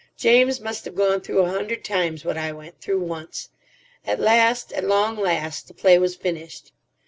James must have gone through a hundred times what I went through once. At last, at long last, the play was finished.